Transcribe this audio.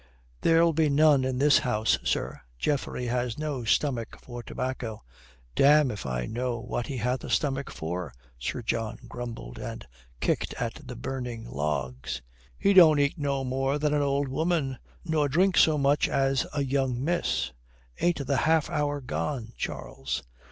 "There'll be none in the house, sir. Geoffrey has no stomach for tobacco." "Damme, if I know what he hath a stomach for," Sir John grumbled, and kicked at the burning logs. "He don't eat no more than an old woman, nor drink so much as a young miss. Ain't the half hour gone, Charles?"